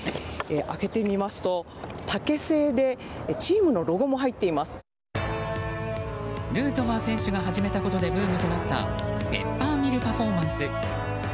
開けてみますと、竹製でヌートバー選手が始めたことでブームとなったペッパーミル・パフォーマンス。